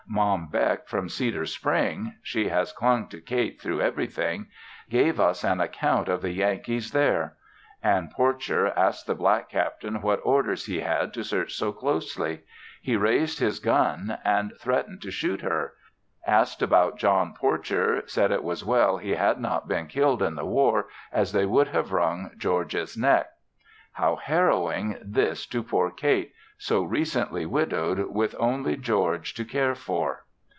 Mom Beck from Cedar Spring she has clung to Kate through everything gave us an account of the Yankees there. Anne Porcher asked the black captain what orders he had to search so closely. He raised his gun and threatened to shoot her; asked about John Porcher, said it was well he had not been killed in the war as they would have wrung George's neck. How harrowing this to poor Kate, so recently widowed with only George to care for!